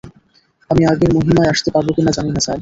আমি আগের মহিমায় আসতে পারব কিনা জানি না, স্যার।